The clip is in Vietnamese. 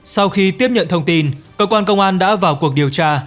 sau khi tiếp nhận thông tin cơ quan công an đã vào cuộc điều tra